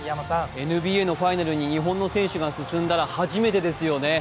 ＮＢＡのファイナルに日本人の選手が進んだら、初めてですよね。